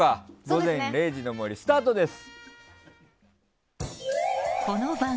「午前０時の森」スタートです。